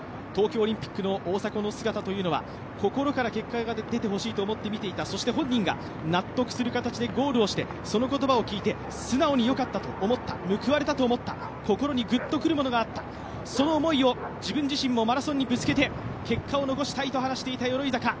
東京オリンピックの大迫の姿というのは心から結果が出てほしいと思って見ていたそして本人が納得する形でゴールをして、その言葉を聞いて、素直によかったと思った、報われたと思った、心にグッとくるものがあった、その思いを自分自身もマラソンにぶつけて結果を残したいと話していた鎧坂。